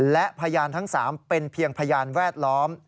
และพยานทั้ง๓เป็นเพียงพยานแวดล้อม